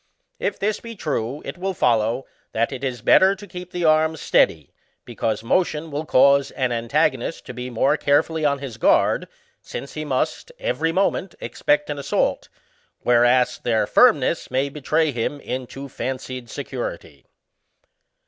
If this be true, it will follow, that it is better to keep the arms steady, because motion will cause an antagonist to be more carefully on his guard, since he must, every moment expect an assault ; whereas, their firmness may betray him into fancied security.